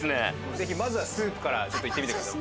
ぜひまずはスープからちょっと行ってみてください。